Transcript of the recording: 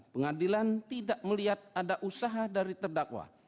pengadilan tidak melihat ada usaha dari terdakwa